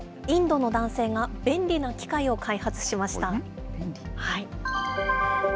インドの男性が便利な機械を開発しました。